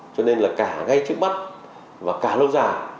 cho nên là cả ngay trước mắt và cả lâu dài